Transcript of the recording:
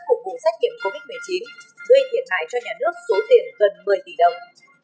cục vụ xét nghiệm covid một mươi chín đưa hiện lại cho nhà nước số tiền gần một mươi tỷ đồng